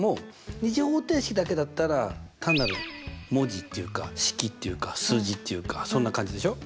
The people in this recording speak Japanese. ２次方程式だけだったら単なる文字っていうか式っていうか数字っていうかそんな感じでしょ。